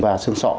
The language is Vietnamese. và sương sọ